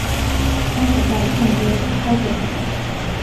它可在众多操作系统。